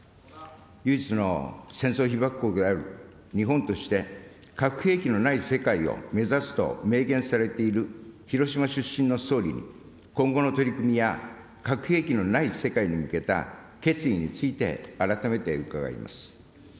唯一の戦争被爆国である日本として、核兵器のない世界を目指すと明言されている広島出身の総理、今後の取り組みや核兵器のない世界に向けた決意について、改めて伺います。